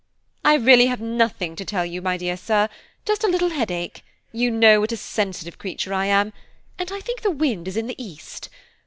"I really have nothing to tell you, my dear Sir, just a little headache–you know what a sensitive creature I am, and I think the wind is in the East.